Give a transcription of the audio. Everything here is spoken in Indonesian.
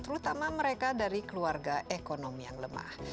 terutama mereka dari keluarga ekonomi yang lemah